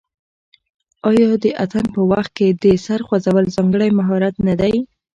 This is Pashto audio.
آیا د اتن په وخت کې د سر خوځول ځانګړی مهارت نه دی؟